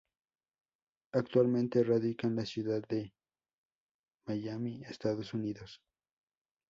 Actualmente, radica en la ciudad de Miami, Estados Unidos.